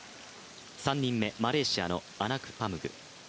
３人目、マレーシアのアナクパムグ。